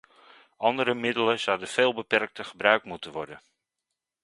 Andere middelen zouden veel beperkter gebruikt moeten worden.